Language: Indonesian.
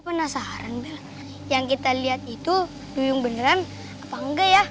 penasaran mbak yang kita lihat itu duyung beneran apa enggak ya